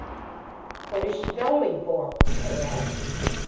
"What is she bellowing for?" I asked.